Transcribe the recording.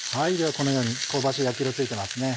このように香ばしい焼き色ついてますね。